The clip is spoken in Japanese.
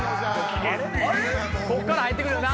こっから入ってくるよな？